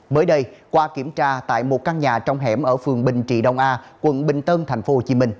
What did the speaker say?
mới đây qua kiểm tra tại một căn nhà trong hẻm ở phường bình trị đông a quận bình tân tp hcm